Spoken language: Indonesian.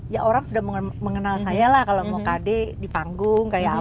ya orang sudah mengenal saya lah kalau mau kd di panggung kayak apa